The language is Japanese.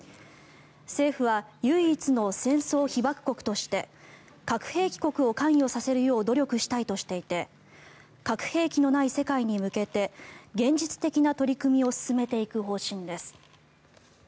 政府は唯一の戦争被爆国として核兵器国を関与させるよう努力したいとしていて核兵器のない世界に向けて現実的な取り組みを進めていく方針です。